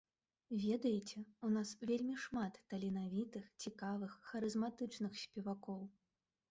Ведаеце, у нас вельмі шмат таленавітых, цікавых, харызматычных спевакоў.